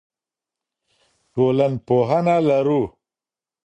ټولنپوهنه لرو.